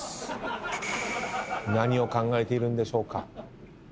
何を考えているんでしょうか。